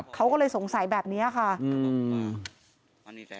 เขาก็เลยสงสัยแบบนี้ค่ะ